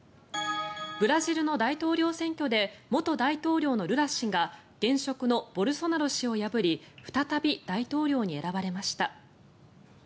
ブラジルの大統領選挙で元大統領のルラ氏が現職のボルソナロ氏を破り再び大統領に選ばれました。